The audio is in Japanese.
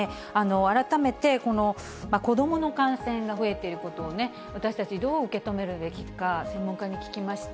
改めてこの子どもの感染が増えていることを、私たち、どう受け止めるべきか、専門家に聞きました。